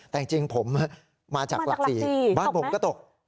แต่จริงผมมาจากหลัก๔บ้านผมก็ตก